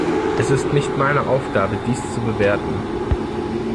Es ist nicht meine Aufgabe, dies zu bewerten.